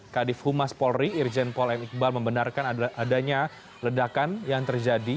kadif humas polri irjen pol m iqbal membenarkan adanya ledakan yang terjadi